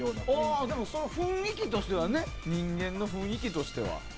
ああ、でも雰囲気としてはね人間の雰囲気としては。